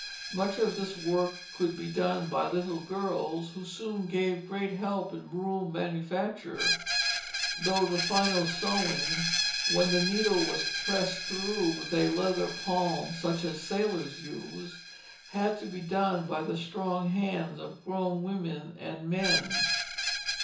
Much of this work could be done by little girls, who soon gave great help in broom manufacture; though the final sewing (when the needle was pressed through with a leather "palm" such as sailors use) had to be done by the strong hands of grown women and men.